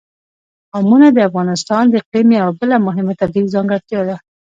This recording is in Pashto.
قومونه د افغانستان د اقلیم یوه بله مهمه طبیعي ځانګړتیا ده.